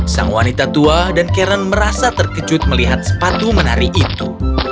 sang wanita tua dan karen merasa terkejut melihat sepatu menari itu